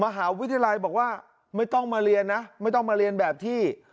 มหาวิทยาลัยบอกว่าไม่ต้องมาเรียนนะไม่ต้องมาเรียนแบบที่